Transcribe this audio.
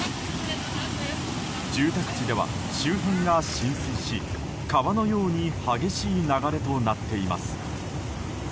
住宅地では周辺が浸水し川のように激しい流れとなっています。